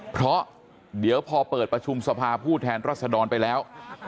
เพราะเดี๋ยวพอเปิดประชุมสภาผู้แทนรัศดรไปแล้ว